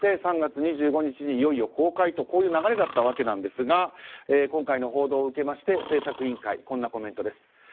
３月２５日にいよいよ公開という流れだったんですが今回の報道を受けて製作委員会のコメントです。